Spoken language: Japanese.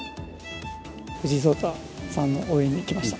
藤井聡太さんの応援に来ました。